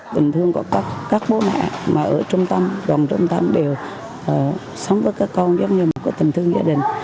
tình thương của các bố mẹ mà ở trung tâm dòng trung tâm đều sống với các con giống như một tình thương gia đình